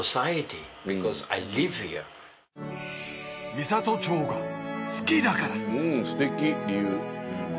美郷町が好きだからすてき理由。